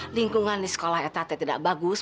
lingkungan di sekolahnya ternyata tidak bagus